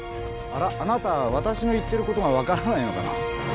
あなた私の言ってることが分からないのかな？